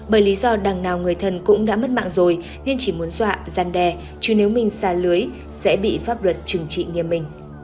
bởi lý do đằng nào người thân cũng đã mất mạng rồi nên chỉ muốn dọa gian đe chứ nếu mình xa lưới sẽ bị pháp luật trừng trị nghiêm minh